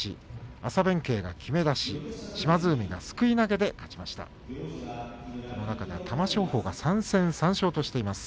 朝弁慶をきめ出し島津海が、すくい投げでそれぞれ勝ちました。